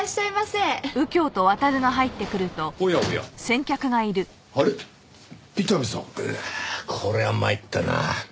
うわあこれは参ったな。